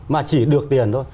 mà chỉ được tiền thôi